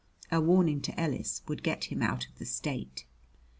A warning to Ellis would get him out of the State."